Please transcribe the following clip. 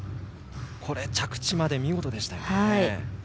着地まで見事でしたよね。